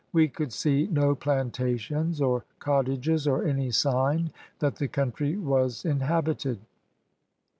We could see no plantations or cottages, or any sign that the country was inhabited.